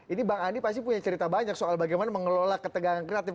ini bang andi pasti punya cerita banyak soal bagaimana mengelola ketegangan kreatif